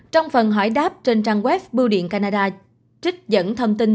trong phần hỏi đáp trên trang web bưu điện canada trích dẫn thông tin